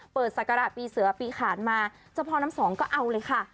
ศักระปีเสือปีขานมาเจ้าพ่อน้ำสองก็เอาเลยค่ะ